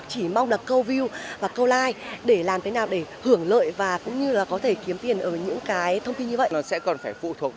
trở nên khó khăn hơn bao giờ hết